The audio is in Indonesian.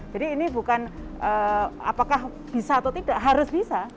jadi ini bukan apakah bisa atau tidak harus bisa